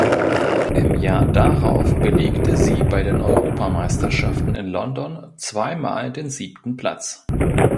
Im Jahr darauf belegte sie bei den Europameisterschaften in London zweimal den siebten Platz.